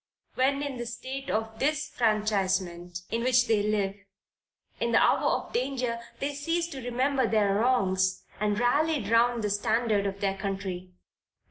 When in the state of disfranchisement in which they live, in the hour of danger they ceased to remember their wrongs, and rallied round the standard of their country.